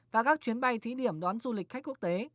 và các chuyến bay thí điểm đón du lịch khách quốc tế